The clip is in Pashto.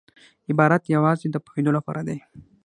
عبارت یوازي د پوهېدو له پاره دئ.